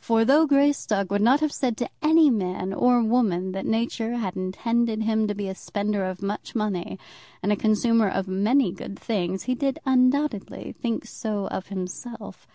For though Greystock would not have said to any man or woman that nature had intended him to be a spender of much money and a consumer of many good things, he did undoubtedly so think of himself.